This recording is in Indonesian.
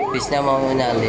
busnya mau menyalip